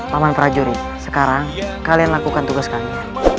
paman prajurit sekarang kalian lakukan tugas kami